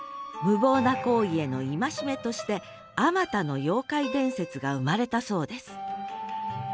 無謀な行為への戒めとしてあまたの妖怪伝説が生まれたそうです